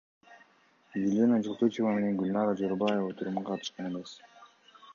Елена Жылкычыева менен Гүлнара Жоробаева отурумга катышкан эмес.